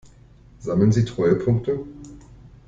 Sammeln Sie Treuepunkte?